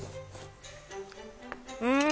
うん！